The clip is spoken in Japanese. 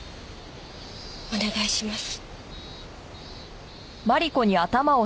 お願いします。